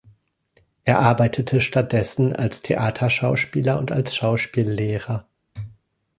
Er arbeitete stattdessen als Theaterschauspieler und als Schauspiellehrer.